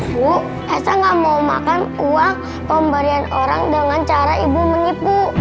bu saya nggak mau makan uang pemberian orang dengan cara ibu menipu